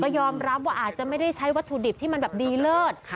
ยอมรับว่าอาจจะไม่ได้ใช้วัตถุดิบที่มันแบบดีเลิศ